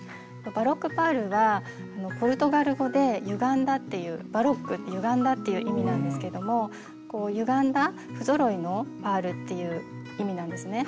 バロックパールはポルトガル語で「ゆがんだ」っていう「バロック」って「ゆがんだ」っていう意味なんですけどもゆがんだ不ぞろいのパールっていう意味なんですね。